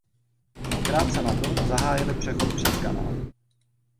Krátce na to zahájily přechod přes kanál.